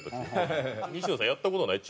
西野さんやった事ない？